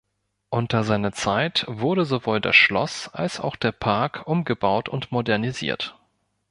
Unter seiner Zeit wurde sowohl das Schloss als auch der Park umgebaut und modernisiert.